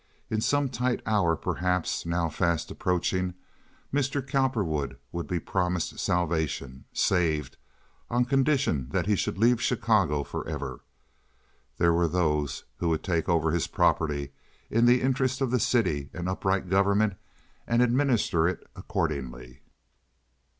In some tight hour, perhaps, now fast approaching, Mr. Cowperwood would be promised salvation—"saved" on condition that he should leave Chicago forever. There were those who would take over his property in the interest of the city and upright government and administer it accordingly.